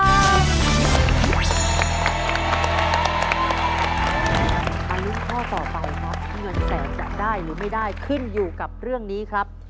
ลุ้นข้อต่อไปครับเงินแสนจะได้หรือไม่ได้ขึ้นอยู่กับเรื่องนี้ครับ